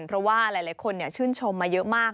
เพราะว่าหลายคนชื่นชมมาเยอะมาก